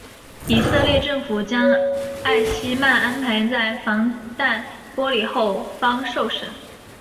以色列政府将艾希曼安排在防弹玻璃后方受审。